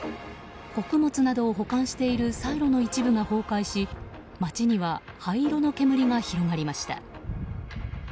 穀物などを保管しているサイロの一部が崩壊し街には灰色の煙が広がりました。